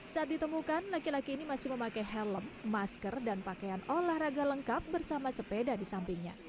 saat ditemukan laki laki ini masih memakai helm masker dan pakaian olahraga lengkap bersama sepeda di sampingnya